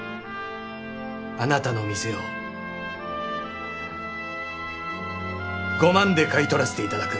あなたの店を５万で買い取らせていただく。